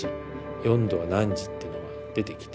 「４°は何時」っていうのが出てきて。